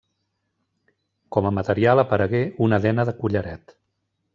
Com a material aparegué una dena de collaret.